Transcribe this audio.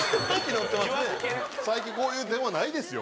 最近こういう電話ないですよ